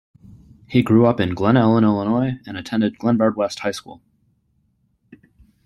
He grew up in Glen Ellyn, Illinois, and attended Glenbard West High School.